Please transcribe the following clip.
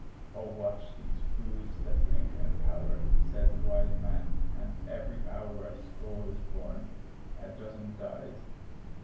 "O watch these fools that blink and cower," Said that wise man: "and every hour A score is born, a dozen dies."